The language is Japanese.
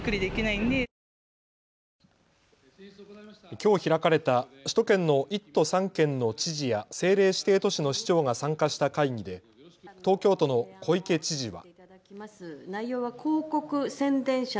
きょう開かれた首都圏の１都３県の知事や政令指定都市の市長が参加した会議で東京都の小池知事は。